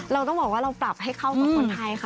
เราต้องบอกว่าเราปรับให้เข้ากับคนไทยค่ะ